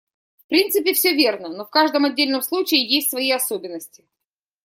В принципе, всё верно, но в каждом отдельном случае есть свои особенности.